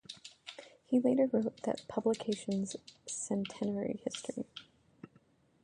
He later wrote that publication's centenary history.